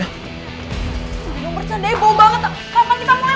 bersendirian bercanda bau banget